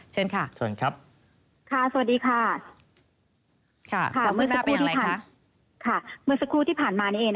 เชิญค่ะสวัสดีครับค่ะเมื่อสักครู่ที่ผ่านมาเนี่ย